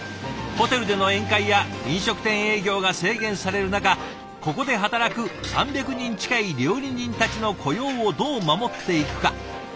ホテルでの宴会や飲食店営業が制限される中ここで働く３００人近い料理人たちの雇用をどう守っていくか。